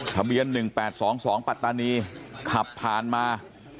ทะเบียน๑๘๒๒ปัตตานีขับผ่านมา